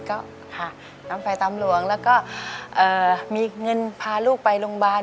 ก็ค่ะน้องไฟตามหลวงแล้วก็มีเงินพาลูกไปโรงพยาบาล